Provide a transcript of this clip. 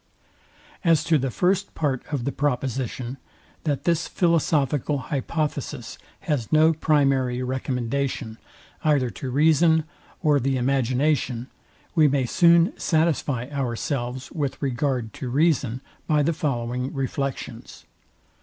As to the first part of the proposition, that this philosophical hypothesis has no primary recommendation, either to reason, or the imagination, we may soon satisfy ourselves with regard to reason by the following reflections.